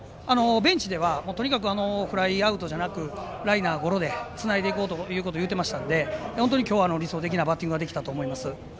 ベンチではフライでなくライナー、ゴロでつないでいこうと言っていましたので今日は理想的なバッティングができたと思います。